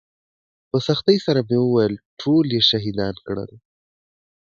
په سختۍ سره مې وويل ټول يې شهيدان کړل.